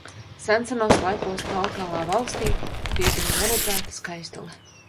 Sensenos laukos tāltālā valstī piedzima neredzēta skaistule.